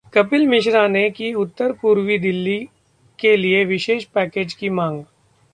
कपिल मिश्रा ने की उत्तर पूर्वी दिल्ली के लिए विशेष पैकेज की मांग